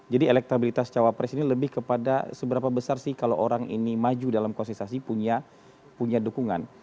jadi elektabilitas cawapres ini lebih kepada seberapa besar sih kalau orang ini maju dalam konsistasi punya dukungan